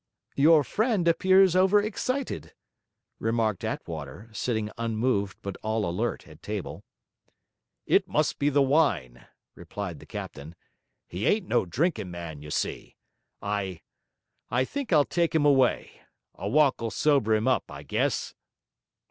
'Your friend appears over excited,' remarked Attwater, sitting unmoved but all alert at table. 'It must be the wine,' replied the captain. 'He ain't no drinking man, you see. I I think I'll take him away. A walk'll sober him up, I guess.'